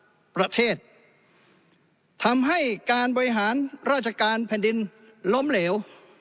ประเทศทำให้การบริหารราชการแผ่นดินล้มเหลว